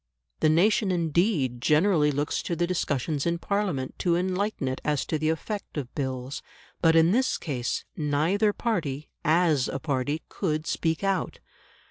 The nation indeed generally looks to the discussions in Parliament to enlighten it as to the effect of Bills. But in this case neither party, as a party, could speak out.